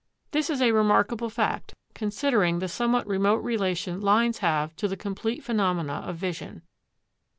This is a remarkable fact considering the somewhat remote relation lines have to the complete phenomena of vision.